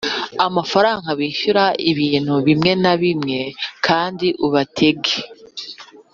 amafaranga bishyura ibintu bimwe na bimwe kandi ubatege